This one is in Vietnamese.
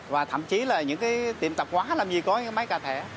và thậm chí là những cái tiệm tạp hóa làm gì có những cái máy cà thẻ